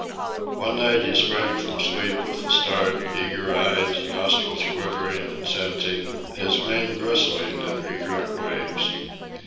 One night he sprang from sleep with a start, eager eyed, nostrils quivering and scenting, his mane bristling in recurrent waves.